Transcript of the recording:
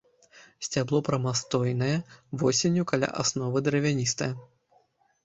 Сцябло прамастойнае, восенню каля асновы дравяністае.